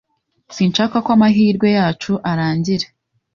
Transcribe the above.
Sinshaka ko amahirwe yacu arangira